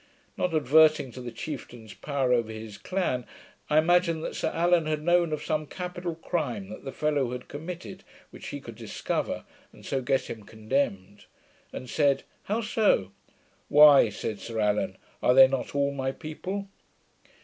Not averting to the chieftain's power over his clan, I imagined that Sir Allan had known of some capital crime that the fellow had committed, which he could discover, and so get him condemned; and said, 'How so?' 'Why,' said Sir Allan, 'are they not all my people?'